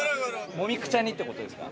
もみくちゃにってことですか？